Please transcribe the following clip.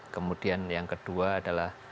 kemudian yang kedua adalah